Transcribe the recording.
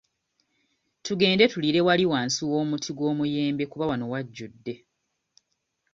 Tugende tuliire wali wansi w'omuti gw'omuyembe kuba wano wajjude.